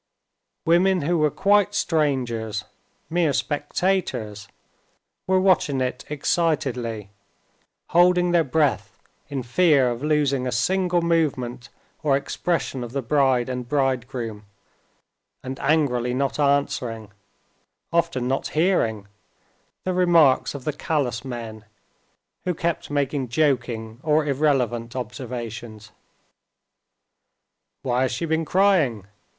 Women who were quite strangers, mere spectators, were watching it excitedly, holding their breath, in fear of losing a single movement or expression of the bride and bridegroom, and angrily not answering, often not hearing, the remarks of the callous men, who kept making joking or irrelevant observations. "Why has she been crying?